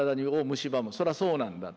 それはそうなんだ。